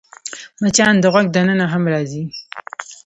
مچان د غوږ دننه هم راځي